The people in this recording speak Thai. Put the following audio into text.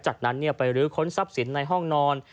จากนั้นไปรื้อค้นทรัพย์สินในห้องนอน